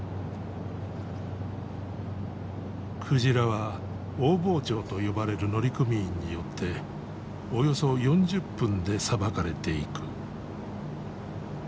鯨は大包丁と呼ばれる乗組員によっておよそ４０分でさばかれていく。